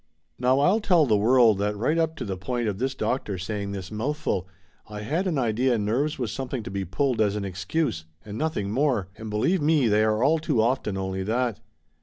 Now I'll tell the world that right up to the point of this doctor saying this mouthful, I had an idea nerves was something to be pulled as an excuse and nothing more, and believe me they are all too often only that.